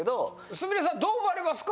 すみれさんどう思われますか？